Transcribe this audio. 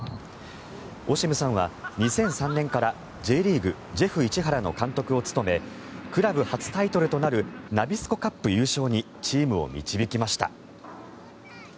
オシムさんは２００３年からＪリーグ、ジェフ市原の監督を務めクラブ初タイトルとなるナビスコカップ優勝にチームを導きました。